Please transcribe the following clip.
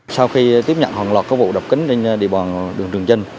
sau khi tiếp nhận hoàn lọt các vụ đập kính trên địa bàn đường trường trinh